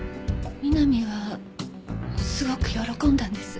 美波はすごく喜んだんです。